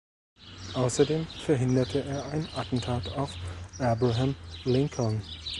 Außerdem verhinderte er ein Attentat auf Abraham Lincoln.